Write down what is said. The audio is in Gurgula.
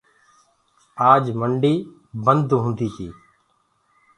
آج منڊي بند هوندي تي۔